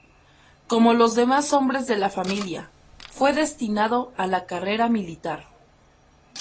Como los demás hombres de la familia, fue destinado a la carrera militar.